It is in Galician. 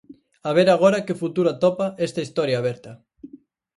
A ver agora que futuro atopa esta historia aberta.